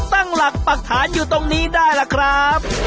ตั้งหลักปรักฐานอยู่ตรงนี้ได้ล่ะครับ